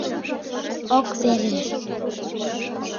Ок верешт!